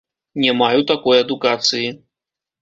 Не маю такой адукацыі.